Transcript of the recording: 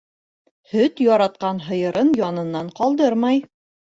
Һөт яраткан һыйырын янынан ҡалдырмай.